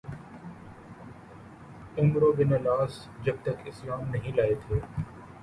عمرو بن العاص جب تک اسلام نہیں لائے تھے